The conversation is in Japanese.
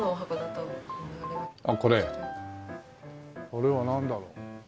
これはなんだろう？